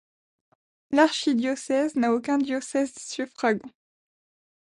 L'archidiocèse n'a aucun diocèse suffragant.